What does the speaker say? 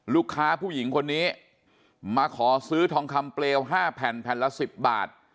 ลูกค้าผู้หญิงคนนี้มาขอซื้อทองคำเปลว๕แผ่นละ๑๐บาท